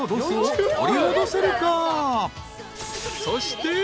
［そして］